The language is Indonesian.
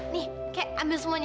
nih kek ambil semuanya